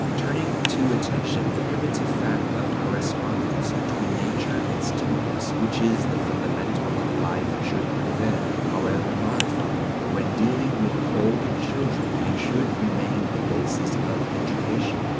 Turning to attention, the primitive fact of correspondence between nature and stimulus which is the fundamental of life should prevail, however modified, when dealing with older children, and should remain the basis of education.